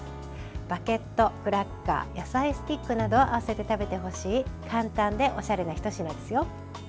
バゲット、クラッカー野菜スティックなどを合わせて食べてほしい簡単でおしゃれなひと品ですよ。